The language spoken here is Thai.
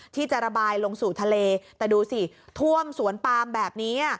ที่จะระบายลงสู่ทะเลแต่ดูสิท่วมสวนปามแบบนี้